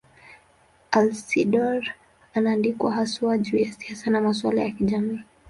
Alcindor anaandikwa haswa juu ya siasa na masuala ya kijamii.